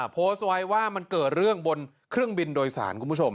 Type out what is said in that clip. โพสต์ไว้ว่ามันเกิดเรื่องบนเครื่องบินโดยสารคุณผู้ชม